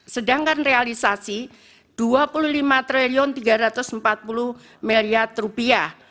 sedangkan realisasi dua puluh lima tiga ratus empat puluh miliar rupiah